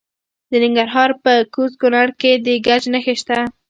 د ننګرهار په کوز کونړ کې د ګچ نښې شته.